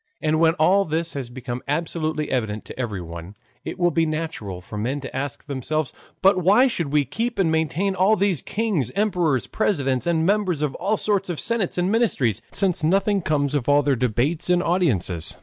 And when all this has become absolutely evident to everyone, it will be natural for men to ask themselves: "But why should we keep and maintain all these kings, emperors, presidents, and members of all sorts of senates and ministries, since nothing comes of all their debates and audiences?